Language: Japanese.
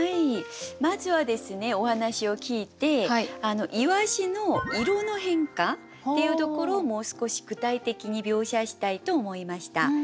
まずはですねお話を聞いて鰯の色の変化っていうところをもう少し具体的に描写したいと思いました。